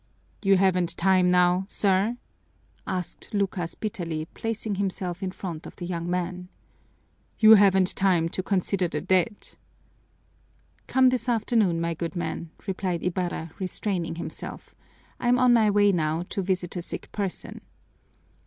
"You haven't time now, sir?" asked Lucas bitterly, placing himself in front of the young man. "You haven't time to consider the dead?" "Come this afternoon, my good man," replied Ibarra, restraining himself. "I'm on my way now to visit a sick person."